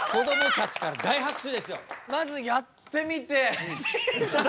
まずやってみて。